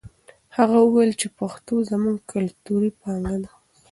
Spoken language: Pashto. هغه وویل چې پښتو زموږ کلتوري پانګه ده.